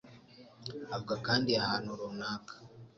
avuga kandi ahantu runaka